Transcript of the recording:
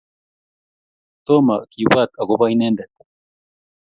tomaa kibwat akobo inendet